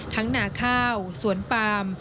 ทั้งหน้าข้าวสวนปาม